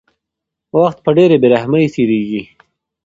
وخت په ډېرې بې رحمۍ تېرېږي.